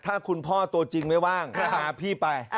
ถ้าคุณพ่อตัวจริงไม่ว่างพาพี่ไป